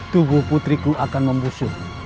tubuh putriku akan membusuh